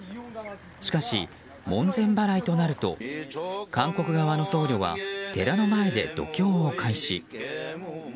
しかし、門前払いとなると韓国側の僧侶は寺の前で読経を開始。